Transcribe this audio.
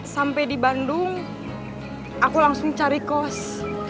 sampai di bandung aku langsung cari kos